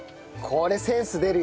これセンス出る。